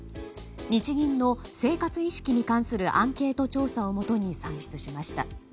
日銀の生活意識に関するアンケート調査をもとに算出しました。